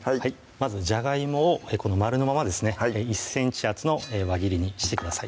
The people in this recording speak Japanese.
まずじゃがいもを丸のままですね１ｃｍ厚の輪切りにしてください